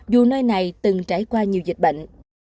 dù nơi này từng trải qua nhiều dịch bệnh